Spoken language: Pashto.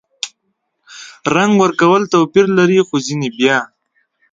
رنګ ورکول توپیر لري – خو ځینې بیا